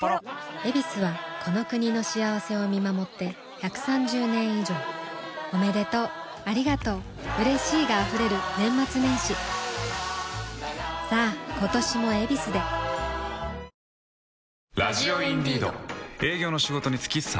「ヱビス」はこの国の幸せを見守って１３０年以上おめでとうありがとううれしいが溢れる年末年始さあ今年も「ヱビス」で与作は木をきる与作？